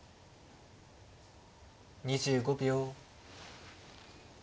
２５秒。